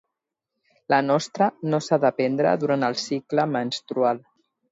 La mostra no s'ha de prendre durant el cicle menstrual.